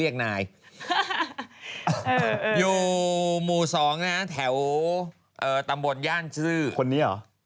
แล้วไง